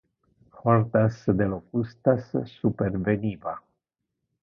Hordas de locustas superveniva.